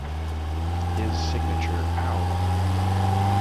His signature ow!